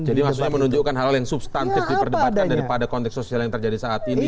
jadi maksudnya menunjukkan hal hal yang substantif diperdebatkan daripada konteks sosial yang terjadi saat ini